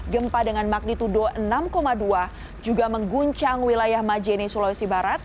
gempa dengan magnitudo enam dua juga mengguncang wilayah majene sulawesi barat